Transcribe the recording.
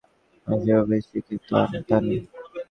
মানুষ এভাবেই শেখে, তানি।